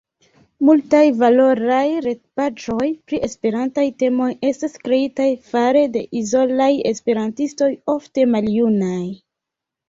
Multaj valoraj retpaĝoj pri esperantaj temoj estas kreitaj fare de izolaj esperantistoj, ofte maljunaj.